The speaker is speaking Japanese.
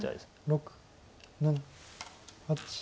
６７８。